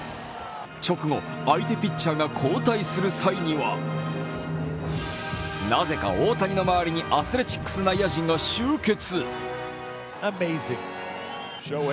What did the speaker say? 直後、相手ピッチャーが交代する際にはなぜか大谷の周りにアスレチックス内野陣が集結。